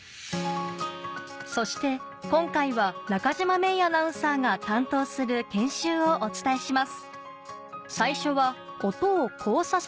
そして今回は中島芽生アナウンサーが担当する研修をお伝えします